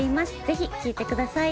ぜひ聴いてください